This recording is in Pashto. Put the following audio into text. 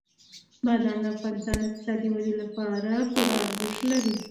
بادام د افغانستان د اقتصادي ودې لپاره پوره ارزښت لري.